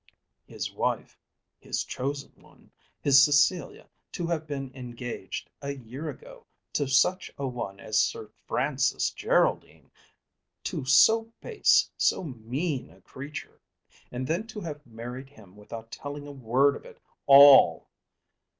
His wife, his chosen one, his Cecilia to have been engaged, a year ago, to such a one as Sir Francis Geraldine, to so base, so mean a creature, and then to have married him without telling a word of it all!